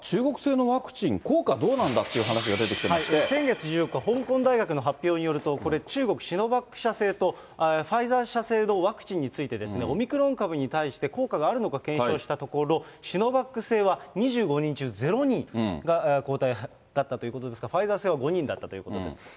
先月１４日、香港大学の発表によると、これ、中国シノバック社製とファイザー社製のワクチンについて、オミクロン株に対して効果があるのか検証したところ、シノバック製は、２５人中０人が抗体だったということですが、ファイザー製は５人だったということです。